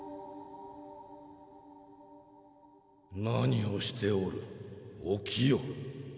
何をしておる起きよ。